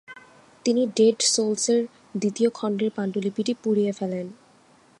তিনি ডেড সোলসের দ্বিতীয় খণ্ডের পাণ্ডুলিপিটি পুড়িয়ে ফেলেন।